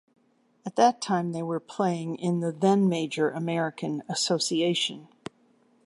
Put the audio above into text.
At that time they were playing in the then-major American Association.